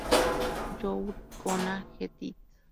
You're Gonna Get It!